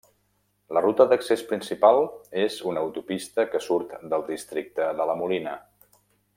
La ruta d'accés principal és una autopista que surt del districte de La Molina.